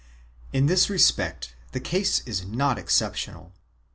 In this respect the case is not exceptional.